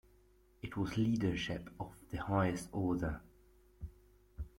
It was leadership of the highest order.